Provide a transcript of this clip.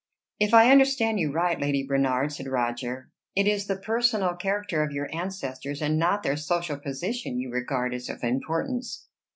"If I understand you right, Lady Bernard," said Roger, "it is the personal character of your ancestors, and not their social position, you regard as of importance."